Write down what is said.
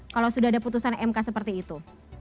kalau sudah ada putusan mk seperti itu